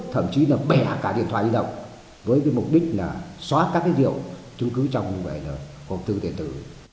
thậm chí là bẻ cả điện thoại đi động với cái mục đích là xóa các cái diệu chứng cứ trong như vậy là hộp tư tệ tử